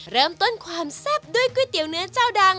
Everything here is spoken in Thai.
เริ่มต้นความแซ่บด้วยก๋วยเตี๋ยวเนื้อเจ้าดัง